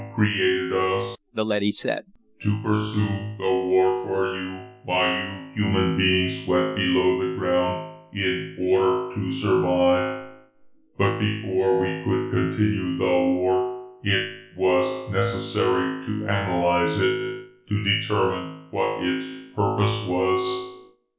"You created us," the leady said, "to pursue the war for you, while you human beings went below the ground in order to survive. But before we could continue the war, it was necessary to analyze it to determine what its purpose was.